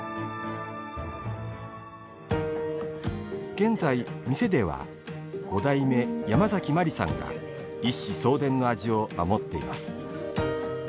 現在、店では五代目、山崎眞理さんが一子相伝の味を守っています。